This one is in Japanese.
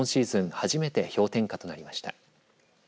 初めて氷点下となりました。